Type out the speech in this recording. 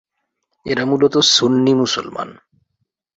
এরা মূলত সুন্নি মুসলমান।